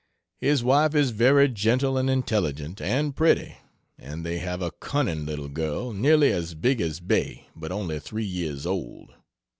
His wife is very gentle and intelligent and pretty, and they have a cunning little girl nearly as big as Bay but only three years old.